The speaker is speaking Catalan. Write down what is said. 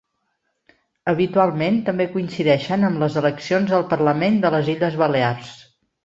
Habitualment també coincideixen amb les eleccions al Parlament de les Illes Balears.